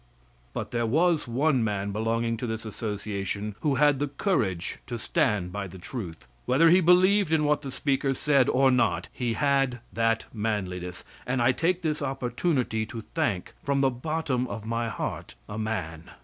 But there was one man belonging to this Association who had the courage to stand by the truth. Whether he believed in what the speaker said or not, he had that manliness; and I take this opportunity to thank from the bottom of my heart a man.